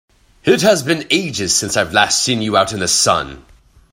It has been ages since I've last seen you out in the sun!